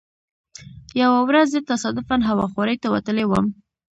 یوه ورځ زه تصادفا هوا خورۍ ته وتلی وم.